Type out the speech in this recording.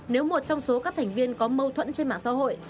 nếu một trong số các thành viên có mâu thuẫn trên mạng xã hội